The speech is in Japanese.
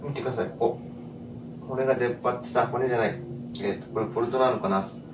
ここ骨が出っ張ってた骨じゃないえっとこれボルトなのかな